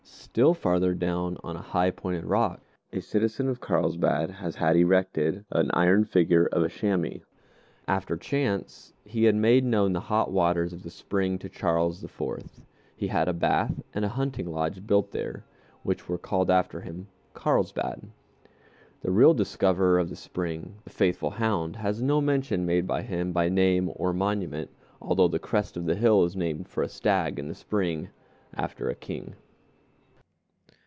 Still farther down, on a high pointed rock, a citizen of Carlsbad has had erected an iron figure of a chamois. After chance had made known the hot waters of the spring to Charles IV., he had a bath and a hunting lodge built there, which were called after him, Karlsbad. The real discoverer of the spring, the faithful hound, has no mention made of him by name or monument, although the crest of the hill is named for a stag and the spring after a king.